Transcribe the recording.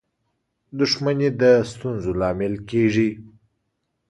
• دښمني د ستونزو لامل کېږي.